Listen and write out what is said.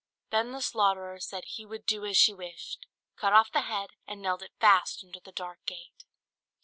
Then the slaughterer said he would do as she wished; cut off the head, and nailed it fast under the dark gate.